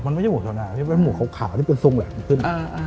มันไม่ใช่หมวกแถวหน้าที่เป็นหมวกขาวที่เป็นทรงแหลมขึ้น